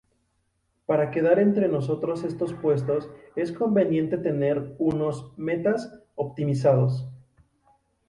Para quedar entre estos puestos es conveniente tener unos "metas" optimizados.